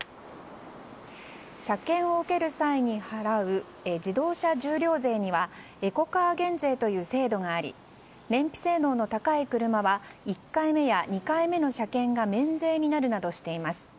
車検を受ける際に払う自動車重量税にはエコカー減税という制度があり燃費性能の高い車は１回目や２回目の車検が免税になるなどしています。